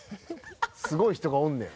すごい人がおんねや。